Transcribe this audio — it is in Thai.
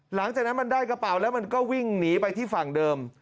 หลังจากนั้นมันได้กระเป๋าแล้วมันก็วิ่งหนีไปที่ฝั่งเดิม